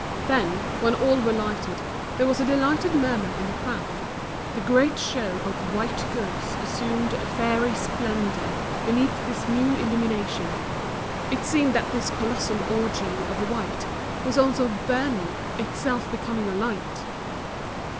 Then, when all were lighted, there was a delighted murmur in the crowd, the great show of white goods assumed a fairy splendor beneath this new illumination. It seemed that this colossal orgy of white was also burning, itself becoming a light.